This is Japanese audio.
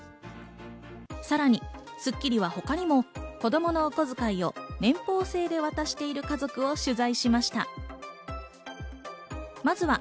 さらに『スッキリ』は他にも子供のお小遣いを年俸制で渡している家族を取材しました。